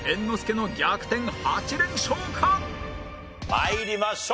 参りましょう。